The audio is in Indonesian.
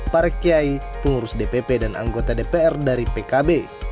para kiai pengurus dpp dan anggota dpr dari pkb